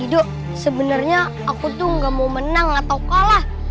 ido sebenarnya aku tuh gak mau menang atau kalah